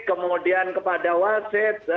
kemudian kepada wasit